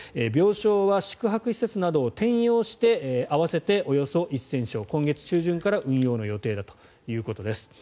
病床は宿泊施設などを転用して合わせておよそ１０００床今月中旬から運用の予定だということです。